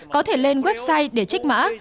có thể lên website để trích mã